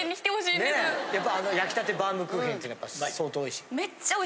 やっぱ焼きたてバームクーヘンってのは相当おいしい？